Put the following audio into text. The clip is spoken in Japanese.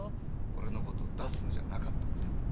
俺のことを出すんじゃなかったって。